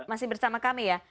masih bersama kami ya